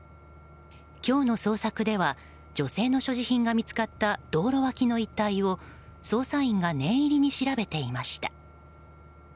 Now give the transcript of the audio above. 今日の捜索では女性の所持品が見つかった道路脇の一帯を捜査員が念入りに調べていました。